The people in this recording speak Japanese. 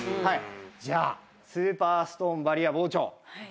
じゃあスーパーストーンバリア包丁。